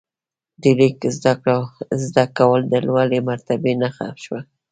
د لیک زده کول د لوړې مرتبې نښه شوه.